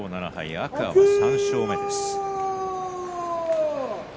天空海３勝目です。